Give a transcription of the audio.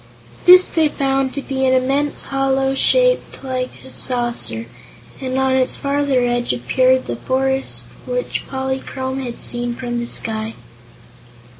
This they found to be an immense hollow, shaped like a saucer, and on its farther edge appeared the forest which Polychrome had seen from the sky.